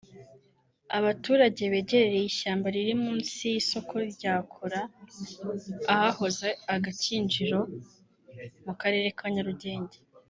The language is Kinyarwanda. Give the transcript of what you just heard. Abaturage begereye ishyamba riri munsi y’isoko rya Kora ahahoze Agakinjiro mu karere ka Nyarugenge